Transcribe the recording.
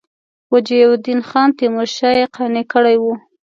وجیه الدین خان تیمورشاه یې قانع کړی وو.